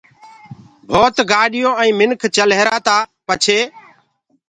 ڀوت گآڏِيونٚ آئينٚ منک چل ريهرآ تآ پڇي